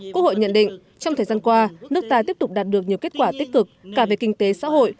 quốc hội nhận định trong thời gian qua nước ta tiếp tục đạt được nhiều kết quả tích cực cả về kinh tế xã hội